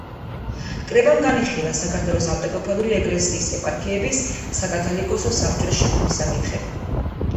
კრებამ განიხილა საქართველოს ავტოკეფალური ეკლესიის ეპარქიების, საკათალიკოზო საბჭოს შექმნის საკითხები.